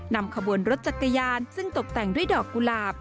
นำขบวนรถจักรยานซึ่งตกแต่งด้วยดอกกุหลาบ